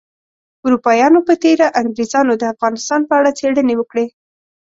اروپایانو په تیره انګریزانو د افغانستان په اړه څیړنې وکړې